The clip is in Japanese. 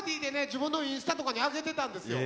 自分のインスタとかにあげてたんですよ。